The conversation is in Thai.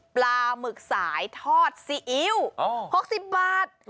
ปลาหมึกสายทอดซีอิ๊ว๖๐บาท